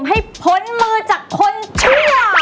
ให้พ้นมือจากคนเชื่อ